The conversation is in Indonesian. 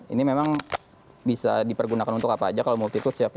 ini memang bisa dipergunakan untuk apa aja kalau multiple siap ya